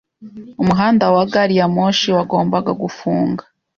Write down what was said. Umuhanda wa gari ya moshi wagombaga gufunga.